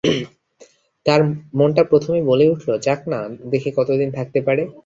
তার মনটা প্রথমেই বলে উঠল– যাক-না দেখি কতদিন থাকতে পারে।